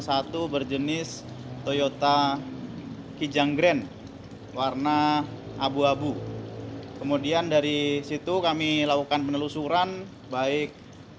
satu berjenis toyota kijang grand warna abu abu kemudian dari situ kami lakukan penelusuran baik